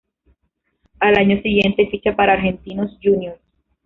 Al año siguiente, ficha para Argentinos Juniors.